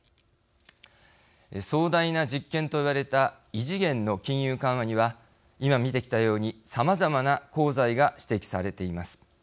壮大な実験と言われた異次元の金融緩和には今見てきたように、さまざまな功罪が指摘されています。